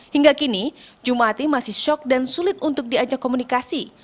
hingga kini jum'ati masih syok dan sulit untuk diajak komunikasi